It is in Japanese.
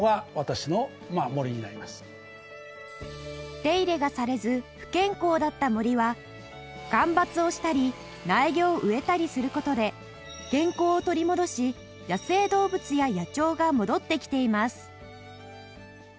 手入れがされず不健康だった森は間伐をしたり苗木を植えたりする事で健康を取り戻し野生動物や野鳥が戻ってきています